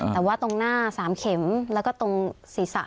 แต่ว่าตรงหน้า๓เข็มแล้วก็ตรงศีรษะ